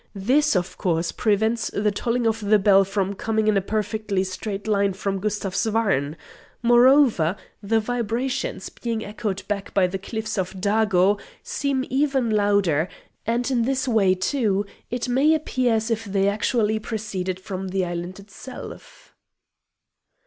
This, of course, prevents the tolling of the bell from coming in a perfectly straight line from Gustavsvarn. Moreover, the vibrations, being echoed back by the cliffs of Dago, seem even louder, and in this way, too, it may appear as if they actually proceeded from the island itself."